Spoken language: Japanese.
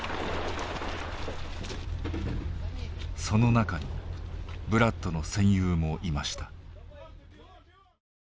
その中にブラッドの戦友もいました。